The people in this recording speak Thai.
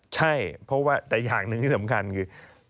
ใช่เพราะว่าแต่อย่างหนึ่งที่สำคัญคือ